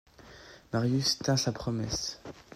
Marius tint sa promesse.